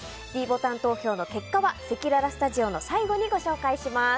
ｄボタン投票の結果はせきららスタジオの最後にご紹介します。